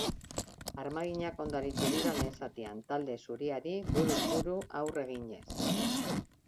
Armaginak ondo aritu dira lehen zatian, talde zuriari buruz buru aurre eginez.